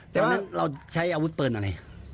แต่วันนั้นเราใช้อาวุธปืนอะไร